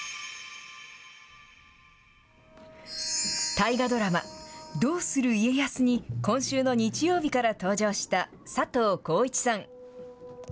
大河ドラマ、どうする家康に今週の日曜日から登場した佐藤浩市さん。